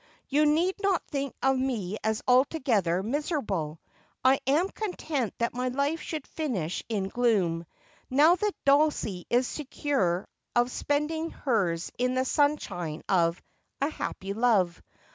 You need not think of me as alto gether miserable. I am content that my life should finish in gloom, now that Dulcie is secure of spending hers in the sunshine of a happy love.